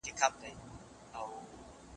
پوليس او امنيتي ځواکونه قانون څنګه پلي کوي؟